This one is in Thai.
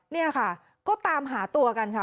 นี่ค่ะก็ตามหาตัวกันค่ะ